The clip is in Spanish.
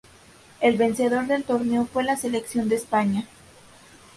El vencedor del torneo fue la selección de España.